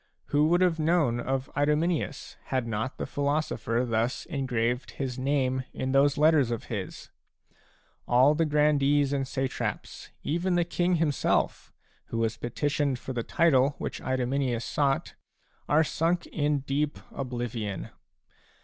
Who would have known of Idomeneus, had not the philo sopher thus engraved his name in those letters of his ? All the grandees and satraps, even the king himself, who was petitioned for the title which Idomeneus sought, are sunk in deep oblivion.